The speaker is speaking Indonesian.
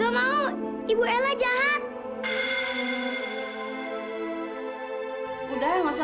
amalqelillah ipin kesungguh bin